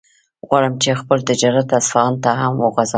غواړم چې خپل تجارت اصفهان ته هم وغځوم.